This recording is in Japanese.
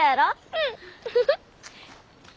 うん？